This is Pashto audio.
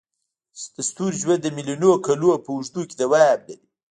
د ستوري ژوند د میلیونونو کلونو په اوږدو کې دوام لري.